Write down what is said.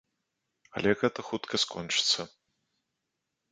Але гэта хутка скончыцца.